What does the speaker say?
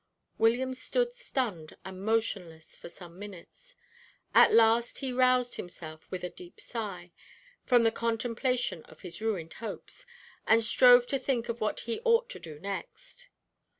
William stood stunned and motionless for some minutes. At last he roused himself, with a deep sigh, from the contemplation of his ruined hopes, and strove to think of what he ought to do next.